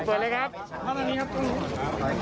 พระพิวทำอย่างไร